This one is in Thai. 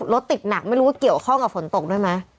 รถติดหนักไม่รู้ว่าเกี่ยวข้องกับฝนตกด้วยไหม